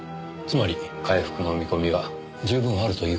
つまり回復の見込みは十分あるという事ですね？